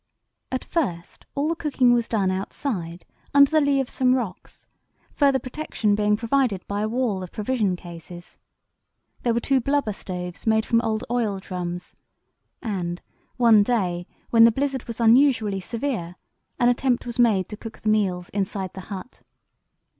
At first all the cooking was done outside under the lee of some rocks, further protection being provided by a wall of provision cases. There were two blubber stoves made from old oil drums, and one day, when the blizzard was unusually severe, an attempt was made to cook the meals inside the hut.